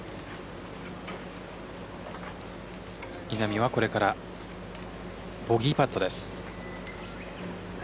稲見はこれからボギーパットです。